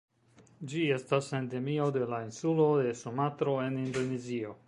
Ĝi estas endemio de la insulo de Sumatro en Indonezio.